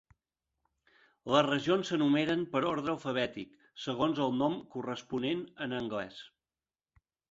Les regions s'enumeren per ordre alfabètic segons el nom corresponent en anglès.